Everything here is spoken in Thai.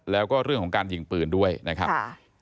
แล้วก็เรื่องของการยิงปืนด้วยนะครับ